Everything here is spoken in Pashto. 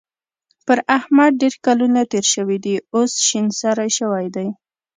پر احمد ډېر کلونه تېر شوي دي؛ اوس شين سری شوی دی.